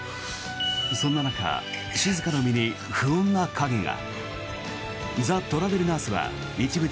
そんな中静の身に不穏な影が。